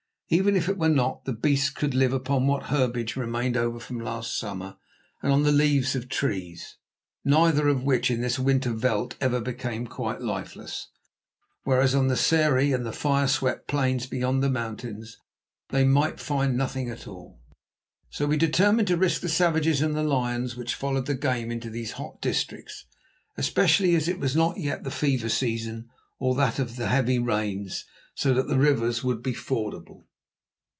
Even if it were not, the beasts could live upon what herbage remained over from last summer and on the leaves of trees, neither of which in this winter veld ever become quite lifeless, whereas on the sere and fire swept plains beyond the mountains they might find nothing at all. So we determined to risk the savages and the lions which followed the game into these hot districts, especially as it was not yet the fever season or that of the heavy rains, so that the rivers would be fordable.